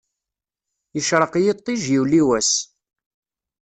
Yecreq yiṭij, yuli wass.